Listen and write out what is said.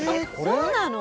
そうなの？